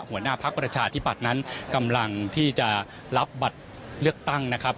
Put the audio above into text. หัวหน้าพักประชาธิบัตินั้นกำลังที่จะรับบัตรเลือกตั้งนะครับ